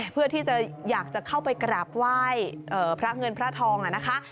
เพื่อที่จะอยากจะเข้าไปกราบไหว้พระเงินพระทองนะคะ